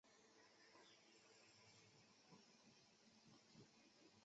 曾居住于魁北克梅戈格镇。